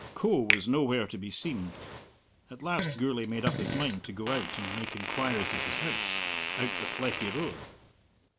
Coe was nowhere to be seen. At last Gourlay made up his mind to go out and make inquiries at his house, out the Fleckie Road.